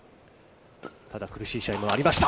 ただ苦しい試合もありました。